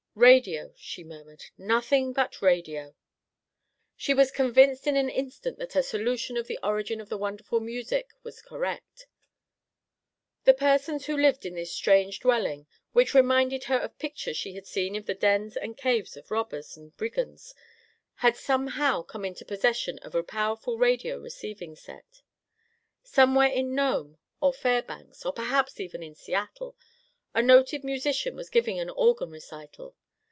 "Radio," she murmured, "nothing but radio." She was convinced in an instant that her solution of the origin of the wonderful music was correct. The persons who lived in this strange dwelling, which reminded her of pictures she had seen of the dens and caves of robbers and brigands, had somehow come into possession of a powerful radio receiving set. Somewhere in Nome, or Fairbanks, or perhaps even in Seattle—a noted musician was giving an organ recital.